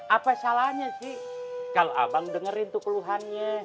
apa salahnya sih kalau abang dengerin tuh keluhannya